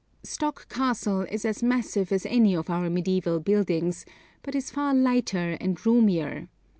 Stok Castle is as massive as any of our mediaeval buildings, but is far lighter and roomier.